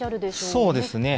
そうですね。